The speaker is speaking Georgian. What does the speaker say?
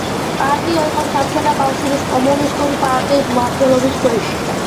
პარტია იყო საბჭოთა კავშირის კომუნისტური პარტიის მმართველობის ქვეშ.